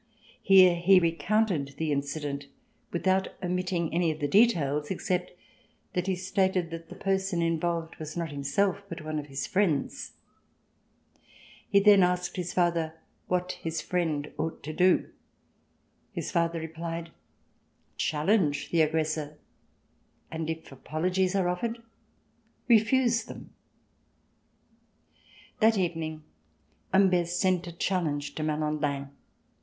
Here he recounted the incident, without omitting any of the details, except that he stated that the person involved was not himself, but one of his friends. He then asked POSTSCRliT his father what "his friend" ought to do. His father repHed : "Challen^^e the aggressor." "And if apologies are offered.^" "Refuse them." That evening Humbert sent a challenge to Ma landin.